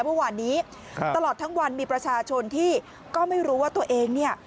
เมื่อวานนี้ตลอดทั้งวันมีประชาชนที่ก็ไม่รู้ว่าตัวเองเนี่ย